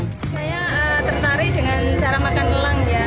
saya tertarik dengan cara makan elang ya